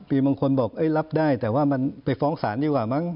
ปีบางคนบอกรับได้แต่ว่ามันไปฟ้องศาลดีกว่ามั้ง